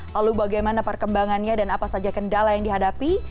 lalu bagaimana perkembangannya dan apa saja kendala yang dihadapi